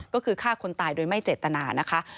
ก็คือฆ่าคนตายโดยไม่เจตนานะคะ